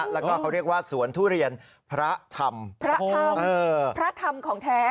แล้วก็เขาเรียกว่าสวนทุเรียนพระธรรมพระธรรมพระธรรมของแท้